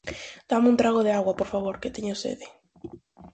Dáme un trago de auga, por favor, que teño sede.